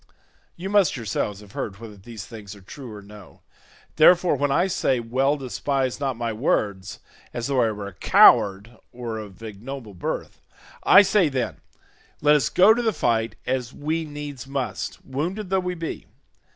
You must yourselves have heard whether these things are true or no; therefore when I say well despise not my words as though I were a coward or of ignoble birth. I say, then, let us go to the fight as we needs must, wounded though we be.